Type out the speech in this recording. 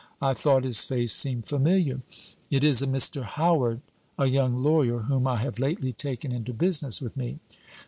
I thought his face seemed familiar." "It is a Mr. Howard a young lawyer whom I have lately taken into business with me."